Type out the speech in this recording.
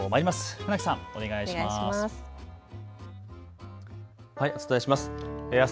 船木さん、お願いします。